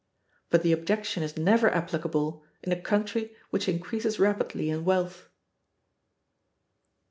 But the objection is never applicable in a country which increases rapidly in wealth.